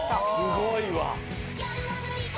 すごいわ！